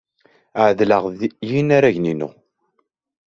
Ɛedleɣ ed yinaragen-inu.